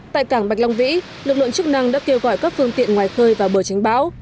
tại cảng bạch long vĩ lực lượng chức năng đã kêu gọi các phương tiện ngoài khơi vào bờ tránh bão